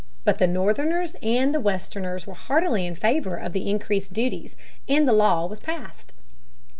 But the Northerners and the Westerners were heartily in favor of the increased duties, and the law was passed.